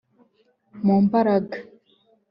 mu mbaraga